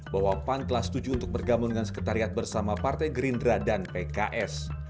bahwa pan telah setuju untuk bergabung dengan sekretariat bersama partai gerindra dan pks